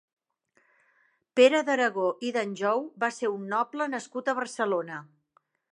Pere d'Aragó i d'Anjou va ser un noble nascut a Barcelona.